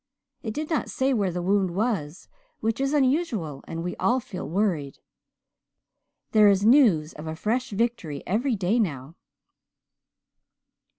It did not say where the wound was, which is unusual, and we all feel worried. There is news of a fresh victory every day now."